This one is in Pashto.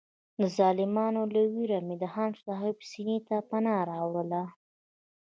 د ظالمانو له وېرې مې د خان صاحب سینې ته پناه راوړله.